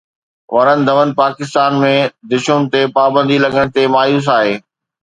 ورن ڌون پاڪستان ۾ دشوم تي پابندي لڳڻ تي مايوس آهي